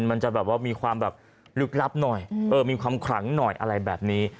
มันจะมีความลึกลับหน่อยมีความคลั้งหน่อยอะไรแบบนี้